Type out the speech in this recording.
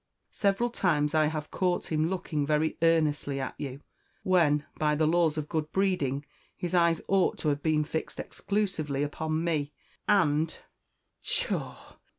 Several times I have caught him looking very earnestly at you, when, by the laws of good breeding, his eyes ought to have been fixed exclusively upon me; and " "Pshaw!"